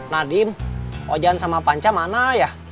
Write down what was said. nadiem ojaan sama panca mana ya